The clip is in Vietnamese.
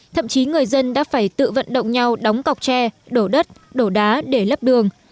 thậm chí người dân đã phải tự vận động nhau đóng cọc tre đổ đất đổ đá để lấp đường